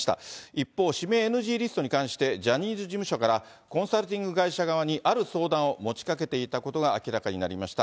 一方、指名ＮＧリストに関して、ジャニーズ事務所からコンサルティング会社側にある相談を持ちかけていたことが明らかになりました。